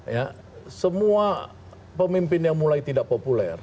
ya semua pemimpin yang mulai tidak populer